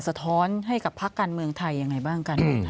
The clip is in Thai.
สะท้อนให้กับพักการเมืองไทยยังไงบ้างกัน